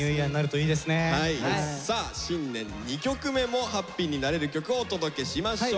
さあ新年２曲目もハッピーになれる曲をお届けしましょう。